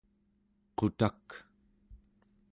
qutak